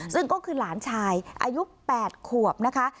ซึ่งก็คือหลานชายอายุ๘ขวบนะคะ